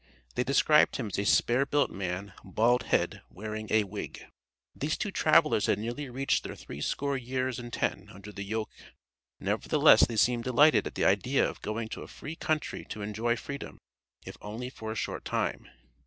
They described him as a "spare built man, bald head, wearing a wig." These two travelers had nearly reached their three score years and ten under the yoke. Nevertheless they seemed delighted at the idea of going to a free country to enjoy freedom, if only for a short time.